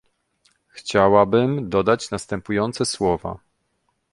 Chciałabym dodać następujące słowa